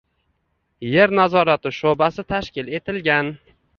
Yer nazorati shoʼbasi tashkil etilgan